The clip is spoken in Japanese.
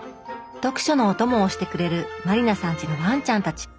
読書のオトモをしてくれる満里奈さんちのワンちゃんたち。